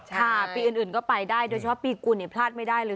ปีอื่นก็ไปได้โดยเฉพาะปีกุลเนี่ยพลาดไม่ได้เลย